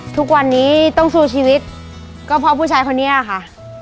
ทุกวันนี้ต้องสู้ชีวิตก็เพราะผู้ชายคนนี้ค่ะ